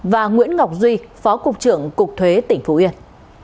và nguyễn ngọc duy phó cục trưởng cục thuế tp yên